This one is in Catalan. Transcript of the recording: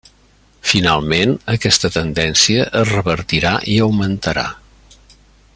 Finalment, aquesta tendència es revertirà i augmentarà.